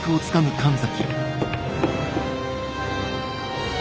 神崎！